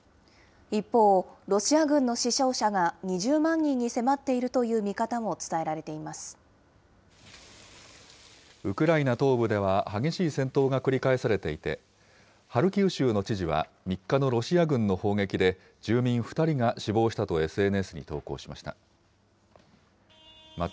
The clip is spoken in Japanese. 一方、ロシア軍の死傷者が２０万人に迫っているという見方も伝えられてウクライナ東部では激しい戦闘が繰り返されていて、ハルキウ州の知事は３日のロシア軍の砲撃で住民２人が死亡したとＳＮＳに投稿しました。